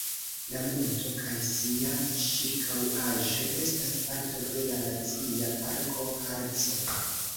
La monto kaj sia ĉirkaŭaĵo estas parto de la Nacia Parko Harco.